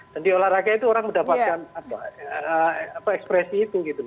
dan di olahraga itu orang mendapatkan ekspresi itu gitu